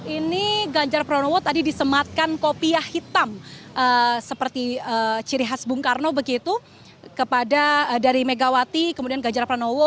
ini ganjar pranowo tadi disematkan kopiah hitam seperti ciri khas bung karno begitu kepada dari megawati kemudian ganjar pranowo